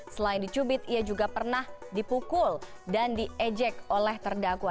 selain dicubit ia juga pernah dipukul dan diejek oleh terdakwa